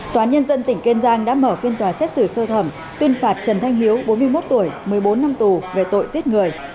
tòa án nhân dân tỉnh kiên giang đã mở phiên tòa xét xử sơ thẩm tuyên phạt trần thanh hiếu bốn mươi một tuổi một mươi bốn năm tù về tội giết người